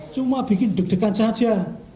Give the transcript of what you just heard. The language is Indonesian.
cuma bikin deg degan saja